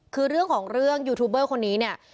คือเรื่องของเรื่องยูทูบเบอร์คนนี้เนี่ย